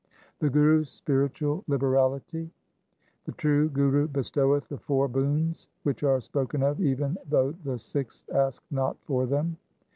1 The Guru's spiritual liberality :— The true Guru bestoweth the four boons which are spoken of even though the Sikhs ask not for them.